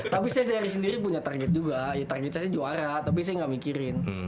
tapi saya dari sendiri punya target juga ya target saya juara tapi saya nggak mikirin